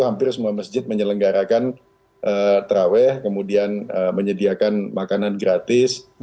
hampir semua masjid menyelenggarakan terawih kemudian menyediakan makanan gratis